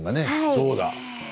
そうだ。